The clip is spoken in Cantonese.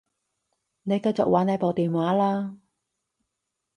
你繼續玩你部電話啦